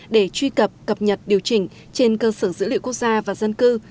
để truy cập cập nhật điều chỉnh trên cơ sở dữ liệu quốc gia và dân cư